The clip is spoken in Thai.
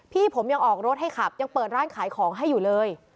พี่ผมยังออกรถให้ขับยังเปิดร้านขายของให้อยู่เลย